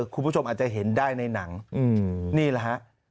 คุณผู้ชมอาจจะเห็นได้ในหนังนี่แหละฮะ